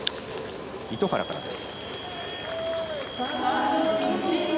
糸原からです。